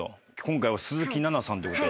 今回は鈴木奈々さんと。